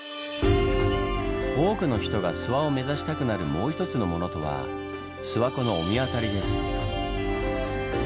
多くの人が諏訪を目指したくなるもう一つのものとは諏訪湖の御神渡りです。